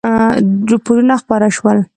رپوټونه خپاره شول.